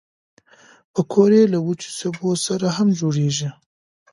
پکورې له وچو سبو سره هم جوړېږي